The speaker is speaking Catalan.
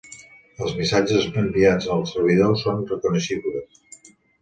Els missatges enviats al servidor son reconeixibles.